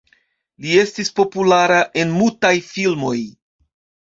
Li estis populara en mutaj filmoj.